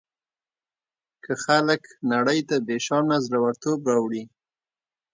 که خلک نړۍ ته بېشانه زړه ورتوب راوړي.